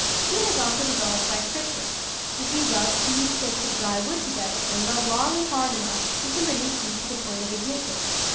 Heat is also developed by friction. If we rub two sticks of dry wood together and rub long and hard enough we can produce heat to the point of ignition.